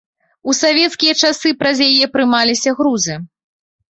У савецкія часы праз яе прымаліся грузы.